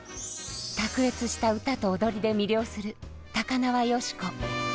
卓越した歌と踊りで魅了する高輪芳子。